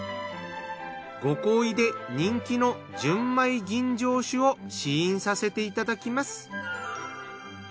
ご厚意で人気の純米吟醸酒を試飲させていただきます。